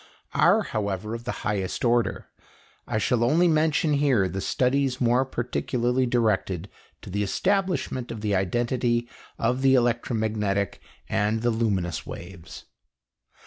are, however, of the highest order I shall only mention here the studies more particularly directed to the establishment of the identity of the electromagnetic and the luminous waves.